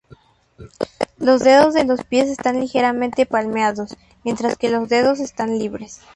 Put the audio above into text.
Los dedos de los pies están ligeramente palmeados mientras que los dedos están libres.